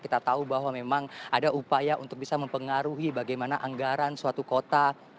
kita tahu bahwa memang ada upaya untuk bisa mempengaruhi bagaimana anggaran suatu kota